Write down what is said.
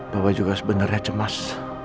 bapak juga sebenarnya cemas